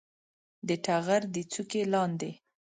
د ټغر د څوکې لاندې